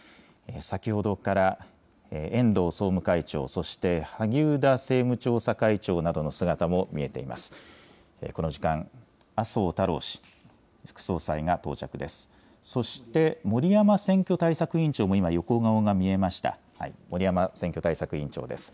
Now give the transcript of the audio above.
先ほどから遠藤総務会長、そして、萩生田政務調査会長などの姿も見えています。